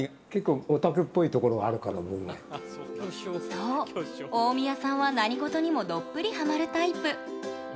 そう、大宮さんは何事にもどっぷりハマるタイプ。